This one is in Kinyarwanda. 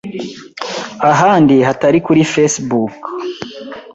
ahandi hatari kuri Facebook